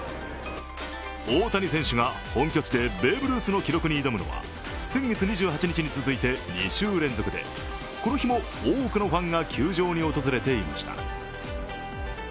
大谷選手が本拠地でベーブ・ルースの記録に挑むのは先月２８日に続いて、２週連続でこの日も多くのファンが球場に訪れていました。